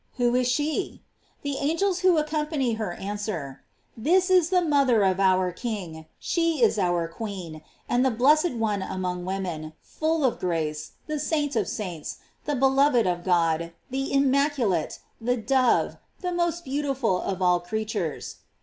Who is she ? The angels who ac company her answer: This is the mother of our King, she is our queen, and the blessed one among women, full of grace, the saint of saints, the beloved of God, the immaculate, the dove, the most beautiful of all creatures.